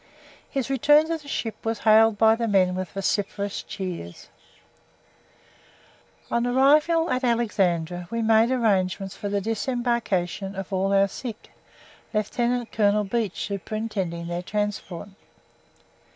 His return to the ship was hailed by the men with vociferous cheers. On arrival at Alexandria we made arrangements for the disembarkation of all our sick, Lieutenant Colonel Beach superintending their transport.